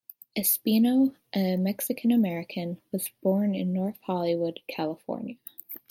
Espino, a Mexican-American, was born in North Hollywood, California.